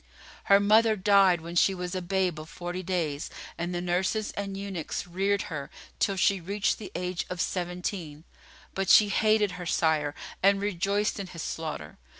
Her mother died when she was a babe of forty days, and the nurses and eunuchs reared her, till she reached the age of seventeen; but she hated her sire and rejoiced in his slaughter.